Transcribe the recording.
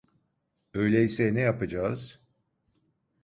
Öyleyse ne yapacağız?